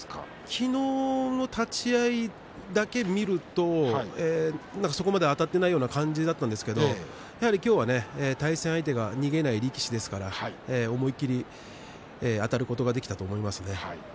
昨日の立ち合いだけ見るとそこまで、あたっていない感じだったんですが今日は対戦相手が逃げない力士ですから思い切りあたることができたと思います。